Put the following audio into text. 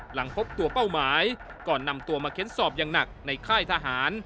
หลังพบตัวเป้าหมายก่อนนำตัวมาเค้นสอบอย่างหนักในค่ายทหาร